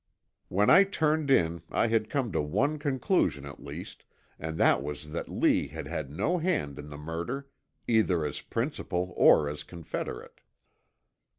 When I turned in I had come to one conclusion at least, and that was that Lee had had no hand in the murder, either as principal or as confederate.